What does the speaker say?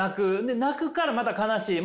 で泣くからまた悲しい。